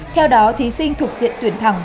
theo đó thí sinh thuộc diện tuyển thẳng